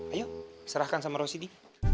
ayo serahkan sama rosidi